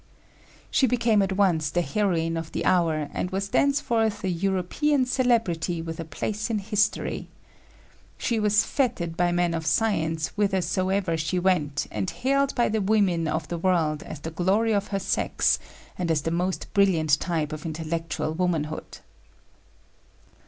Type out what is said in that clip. She became at once the heroine of the hour and was thenceforth "a European celebrity with a place in history." She was fêted by men of science whithersoever she went and hailed by the women of the world as the glory of her sex and as the most brilliant type of intellectual womanhood.